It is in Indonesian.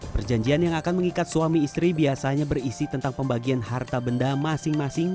perjanjian yang akan mengikat suami istri biasanya berisi tentang pembagian harta benda masing masing